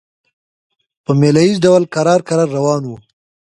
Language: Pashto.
په مېله ییز ډول کرار کرار روان وو.